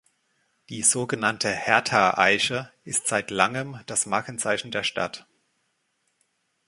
Die sogenannte „Herta-Eiche“ ist seit langem das Markenzeichen der Stadt.